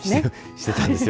してたんですよ。